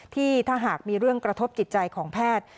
ที่ถ้าหากมีเรื่องกระทบจิตใจของแพทย์